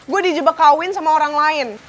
gue dijebak kawin sama orang lain